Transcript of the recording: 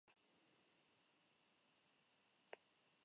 Fue enterrado en secreto por funcionarios austrohúngaros en Sarajevo.